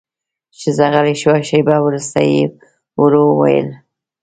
ښځه غلې شوه، شېبه وروسته يې ورو وويل: